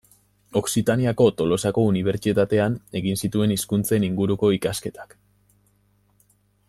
Okzitaniako Tolosako Unibertsitatean egin zituen hizkuntzen inguruko ikasketak.